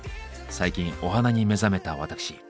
最近お花に目覚めた私。